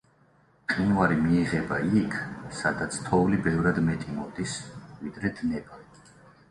მყინვარი მიიღება იქ, სადაც თოვლი ბევრად მეტი მოდის, ვიდრე დნება.